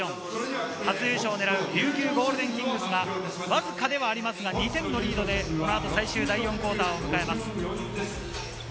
初優勝をねらう琉球ゴールデンキングスがわずかではありますが、２点のリードでこの後、最終クオーターを迎えます。